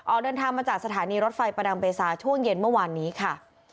เดินทางมาจากสถานีรถไฟประดังเบซาช่วงเย็นเมื่อวานนี้ค่ะ